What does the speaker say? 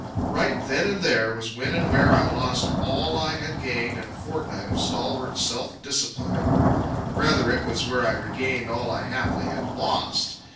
Right then and there was when and where I lost all I had gained in a fortnight of stalwart self disciplining; rather it was where I regained all I haply had lost.